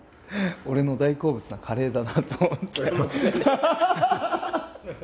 俺の大好物なカレーだなと思ってアハハハハ！